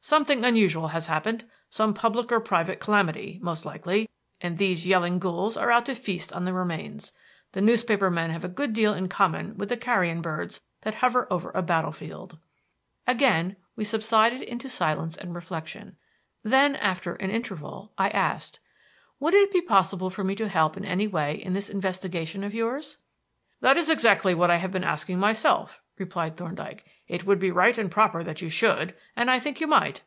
Something unusual has happened; some public or private calamity, most likely, and these yelling ghouls are out to feast on the remains. The newspaper men have a good deal in common with the carrion birds that hover over a battle field." Again we subsided into silence and reflection. Then, after an interval, I asked: "Would it be possible for me to help in any way in this investigation of yours?" "That is exactly what I have been asking myself," replied Thorndyke. "It would be right and proper that you should, and I think you might."